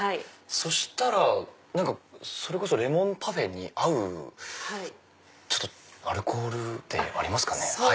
そしたらそれこそレモンパフェに合うアルコールってありますかね？